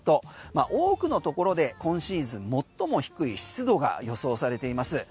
多くのところで今シーズン最も低い湿度が予想されています。